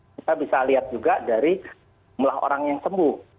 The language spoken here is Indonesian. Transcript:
kita bisa lihat juga dari jumlah orang yang sembuh